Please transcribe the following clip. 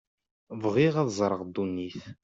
Bɣiɣ ad ẓreɣ ddunit.